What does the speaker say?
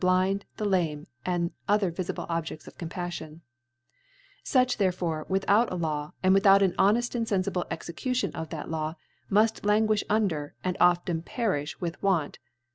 Blind, the Lame, and other vifible Objeds of Compalfion : Such therefore, without a Law, and without an honeft and fenCible Execution of that Law, muft languifti un der, and often perifh with Want.